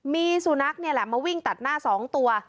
มีสุนัขมาวิ่งตัดหน้า๒ตัว